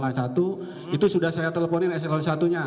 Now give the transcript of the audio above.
pak kasti sudah saya teleponin eselon satu nya